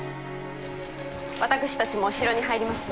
私たちも城に入ります。